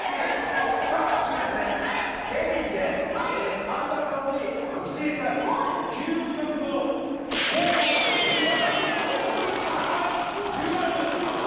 お次、ケビンで神田さんに教えたい究極のコーラの飲み方。